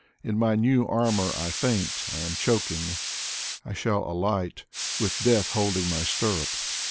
In my new armor I faint, I am choking. I shall alight, with Death holding my stirrup.